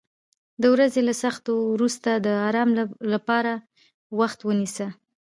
د ورځې له سختیو وروسته د آرام لپاره وخت ونیسه.